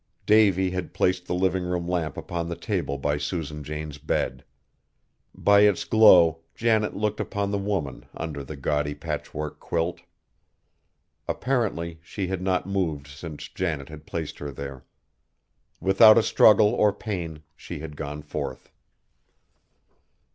Davy had placed the living room lamp upon the table by Susan Jane's bed. By its glow, Janet looked upon the woman under the gaudy patchwork quilt. Apparently she had not moved since Janet had placed her there. Without a struggle or pain she had gone forth.